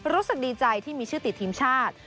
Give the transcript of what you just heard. รู้สึกดีใจที่มีชื่อติดทีมชาติ